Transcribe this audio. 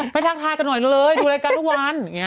ทักทายกันหน่อยเลยดูรายการทุกวัน